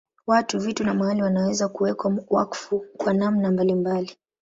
Watu, vitu na mahali wanaweza kuwekwa wakfu kwa namna mbalimbali.